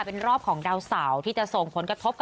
เป็นรอบของดาวเสาร์ที่จะส่งผลกระทบกับ